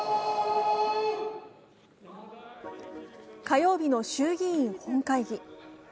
火曜日の衆議院本会議。